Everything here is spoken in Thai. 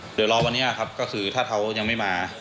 เดี๋ยวรอวันนี้ครับก็คือถ้าเขายังไม่มา